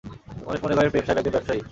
মানুষ মনে করে প্রেম সাহেব একজন ব্যবসায়ী।